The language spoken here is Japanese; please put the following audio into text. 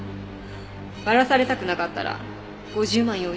バラされたくなかったら５０万用意して。